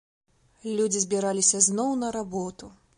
Людзі збіраліся зноў на работу.